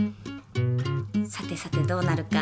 さてさてどうなるか？